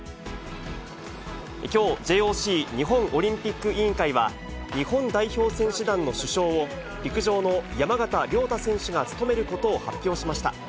きょう、ＪＯＣ・日本オリンピック委員会は、日本代表選手団の主将を、陸上の山縣亮太選手が務めることを発表しました。